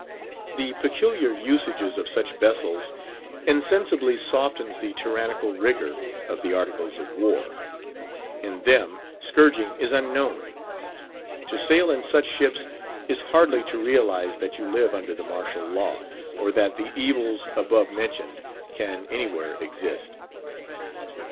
The peculiar usages of such vessels insensibly softens the tyrannical rigour of the Articles of War; in them, scourging is unknown. To sail in such ships is hardly to realise that you live under the martial law, or that the evils above mentioned can anywhere exist.